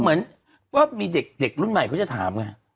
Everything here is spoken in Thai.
เหมือนเพราะว่ามีเด็กรุ่นใหม่เค้าจะถามกัน